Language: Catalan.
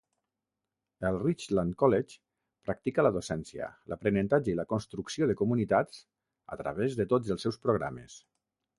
El Richland College practica la docència, l'aprenentatge i la construcció de comunitats a través de tots els seus programes.